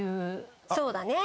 そうだね。